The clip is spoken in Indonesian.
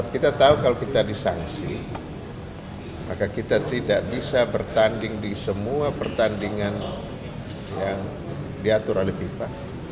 kita tahu kalau kita disangsi maka kita tidak bisa bertanding di semua pertandingan yang diatur oleh fifa